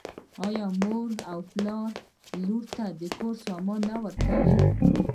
آیا مور او پلار لور ته د کور سامان نه ورکوي؟